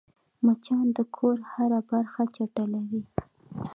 مچان د کور هره برخه چټلوي